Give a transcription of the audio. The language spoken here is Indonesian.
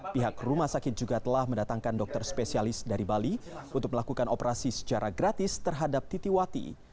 pihak rumah sakit juga telah mendatangkan dokter spesialis dari bali untuk melakukan operasi secara gratis terhadap titi wati